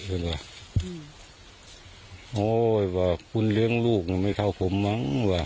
โอ้วว่าคุณเลี้ยงลูกที่ไม่เท่าผมมั้งแหว่